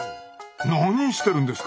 何してるんですか？